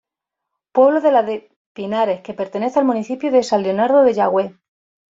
Pueblo de la de Pinares que pertenece al municipio de San Leonardo de Yagüe.